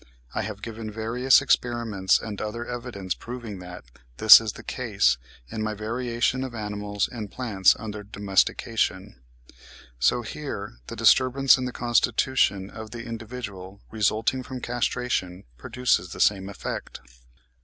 I have given various experiments and other evidence proving that this is the case, in my 'Variation of Animals and Plants under Domestication,' vol. ii. 1868, pp. 39 47.); so here, the disturbance in the constitution of the individual, resulting from castration, produces the same effect.